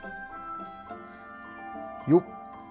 よっ。